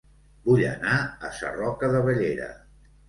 Vull anar a Sarroca de Bellera